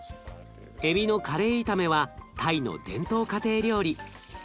えびのカレー炒めはタイの伝統家庭料理。